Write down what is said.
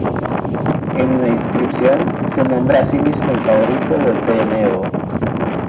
En una inscripción se nombra a sí mismo "el favorito de Nebo".